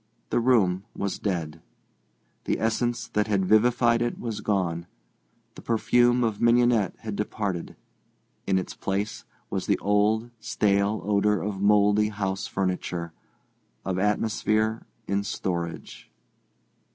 The room was dead. The essence that had vivified it was gone. The perfume of mignonette had departed. In its place was the old, stale odour of mouldy house furniture, of atmosphere in storage.